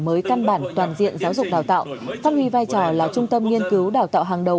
mới căn bản toàn diện giáo dục đào tạo phát huy vai trò là trung tâm nghiên cứu đào tạo hàng đầu